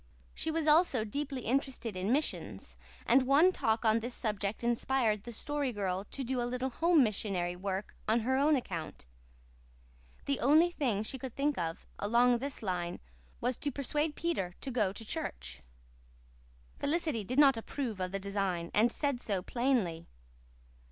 She was also deeply interested in missions; and one talk on this subject inspired the Story Girl to do a little home missionary work on her own account. The only thing she could think of, along this line, was to persuade Peter to go to church. Felicity did not approve of the design, and said so plainly.